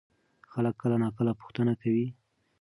خلک کله ناکله پوښتنه کوي.